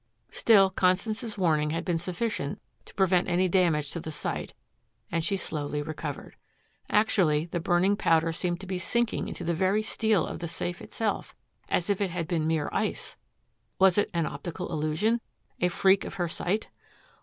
Still, Constance's warning had been sufficient to prevent any damage to the sight, and she slowly recovered. Actually, the burning powder seemed to be sinking into the very steel of the safe itself, as if it had been mere ice! Was it an optical illusion, a freak of her sight?